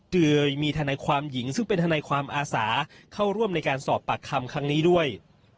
โดยมีทนายความหญิงซึ่งเป็นทนายความอาสาเข้าร่วมในการสอบปากคำครั้งนี้ด้วย